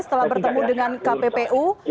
setelah bertemu dengan kppu